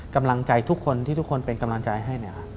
กำลังใจทุกคนที่ทุกคนเป็นกำลังใจให้เนี่ย